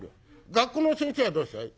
学校の先生がどうしたい？」。